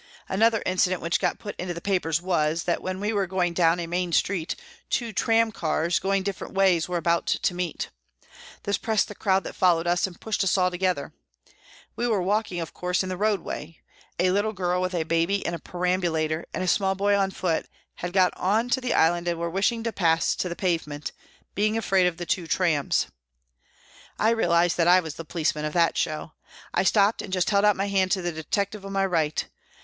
Another inci dent which got put into the papers was, that when we were going down a main street, two tramcars, going different ways, were about to meet. This pressed the crowd that followed us and pushed us all together. We were walking, of course, in the roadway. A little girl with a baby in a perambulator and a small boy on foot had got on to the island NEWCASTLE 213 and were wishing to pass to the pavement, being afraid of the two trams. I realised that I was the policeman of that show. I stopped and just held out my hand to the detective on my right.